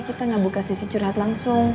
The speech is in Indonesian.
kita gak buka sesi curhat langsung